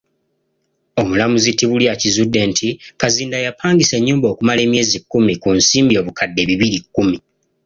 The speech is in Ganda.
Omulamuzi Tibulya akizudde nti, Kazinda yapangisa ennyumba okumala emyezi kumi ku nsimbi obukadde bibiri kumi.